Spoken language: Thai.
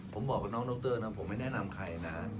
ผมบอกกับน้องดรนะผมไม่แนะนำใครนะ